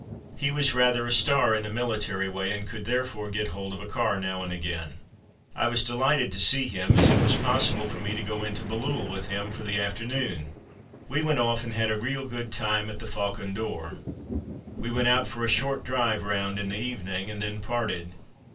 He was rather a star in a military way, and could, therefore, get hold of a car now and again. I was delighted to see him, as it was possible for me to go into Bailleul with him for the afternoon. We went off and had a real good time at the "Faucon d'Or." We went out for a short drive round in the evening, and then parted.